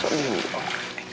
selamat malam om